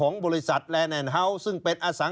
ชีวิตกระมวลวิสิทธิ์สุภาณฑ์